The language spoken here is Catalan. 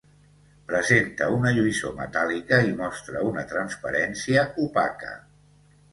Presenta una lluïssor metàl·lica i mostra una transparència opaca.